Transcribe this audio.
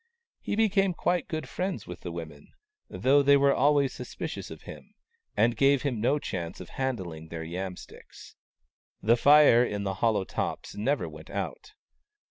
He became quite good friends with the women, though they were always suspicious of him, and gave him no chance of handling their yam sticks. The fire in the hollow tops never went out.